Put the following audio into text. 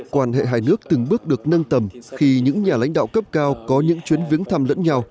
quan hệ hai nước từng bước được nâng tầm